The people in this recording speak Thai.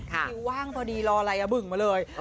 คิวว่างพอดีรออะไรบึ่งมาเลย